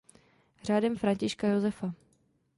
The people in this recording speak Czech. Řádem Františka Josefa.